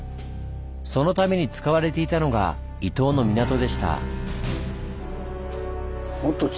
そのために使われていたのが伊東の港でした。